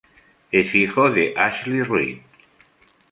Es hijo de Ashley Reed.